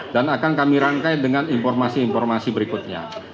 dan akan kami rangkai dengan informasi informasi berikutnya